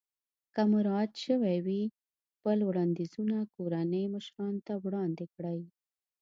که مراعات شوي وي خپل وړاندیزونه کورنۍ مشرانو ته وړاندې کړئ.